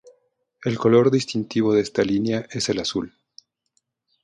El color distintivo de esta línea es el azul.